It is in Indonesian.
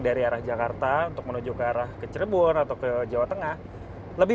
dari arah jakarta untuk menuju ke arah ke cirebon atau ke jawa tengah lebih